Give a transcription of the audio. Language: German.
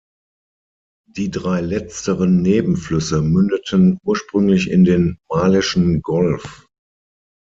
Die drei letzteren Nebenflüsse mündeten ursprünglich in den Malischen Golf.